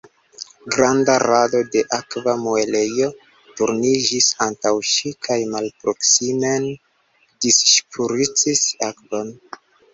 Granda rado de akva muelejo turniĝis antaŭ ŝi kaj malproksimen disŝprucis akvon.